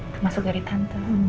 termasuk dari tante